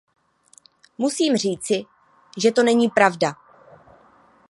Musím říci, že to není pravda.